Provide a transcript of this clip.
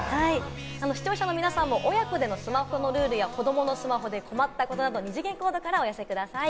視聴者の皆さんも、親子でのスマホのルールや子供のスマホで困ったことなど二次元コードからお寄せください。